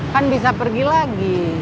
kan bisa pergi lagi